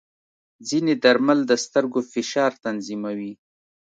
ځینې درمل د سترګو فشار تنظیموي.